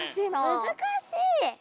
むずかしい。